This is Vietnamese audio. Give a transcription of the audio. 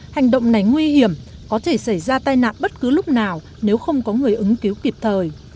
hành động này nguy hiểm có thể xảy ra tai nạn bất cứ lúc nào nếu không có người ứng cứu kịp thời